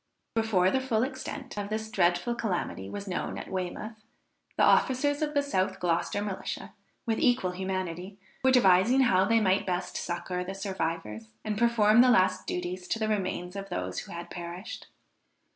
Before the full extent of this dreadful calamity was known at Weymouth, the officers of the South Gloucester Militia, with equal humanity, were devising how they might best succour the survivors, and perform the last duties to the remains of those who had perished.